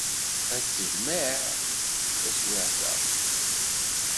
Ad t-tejmeɛ taswiɛt-a.